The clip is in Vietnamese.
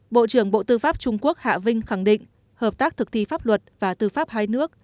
bộ trưởng bộ tư pháp trung quốc hạ vinh khẳng định hợp tác thực thi pháp luật và tư pháp hai nước